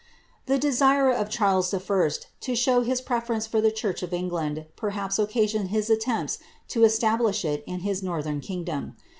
The desire of Charles I. to show his preference for the church of England, perhaps occasioned his attempt to establish it in his northern kingdom.